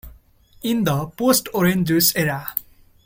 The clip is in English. In the post-orange-juice era?